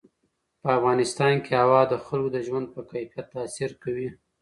په افغانستان کې هوا د خلکو د ژوند په کیفیت تاثیر کوي.